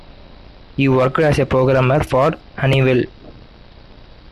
He worked as a programmer for Honeywell.